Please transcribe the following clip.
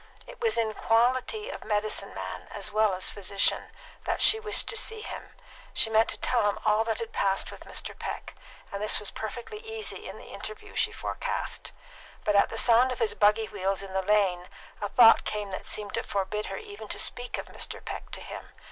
It was in quality of medicine man, as well as physician, that she wished to see him; she meant to tell him all that had passed with Mr. Peck; and this was perfectly easy in the interview she forecast; but at the sound of his buggy wheels in the lane a thought came that seemed to forbid her even to speak of Mr. Peck to him.